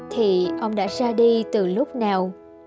thì ông đã ra đi từ lúc nào